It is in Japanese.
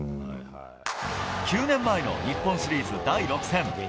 ９年前の日本シリーズ第６戦。